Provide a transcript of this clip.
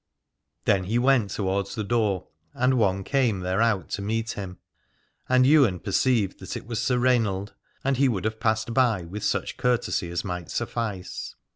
Then he went towards the door, and one came thereout to meet him : and Ywain per ceived that it was Sir Rainald, and he would have passed by with such courtesy as might suffice.